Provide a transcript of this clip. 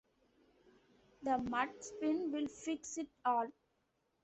The Rudd spin will fix it all.